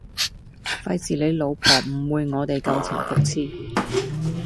費事你老婆誤會我哋舊情復熾